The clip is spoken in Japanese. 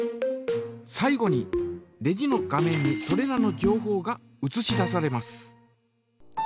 最後にレジの画面にそれらの情報がうつし出されます。